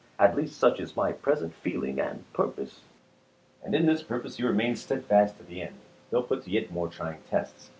At least such is my present feeling and purpose. ms. And in this purpose he remained steadfast to the end, though put to yet more trying tests.